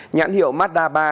nhãn hiệu madda ba